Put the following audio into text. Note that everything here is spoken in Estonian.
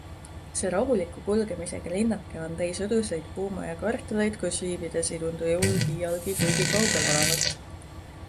See rahuliku kulgemisega linnake on täis õdusaid puumajakvartaleid, kus viibides ei tundu jõulud iialgi kuigi kaugel olevat.